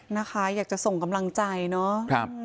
นะคะอยากจะส่งกำลังใจเนาะ